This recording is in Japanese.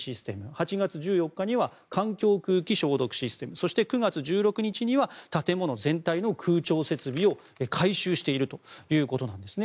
８月１４日には環境空気消毒システムそして９月１６日には建物全体の空調設備を改修しているということなんです。